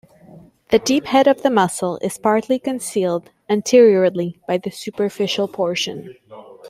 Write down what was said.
The deep head of the muscle is partly concealed, anteriorly, by the superficial portion.